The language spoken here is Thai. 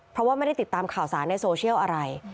เพราะว่าไม่ได้ติดตามข่าวสารในโซเชียลอะไร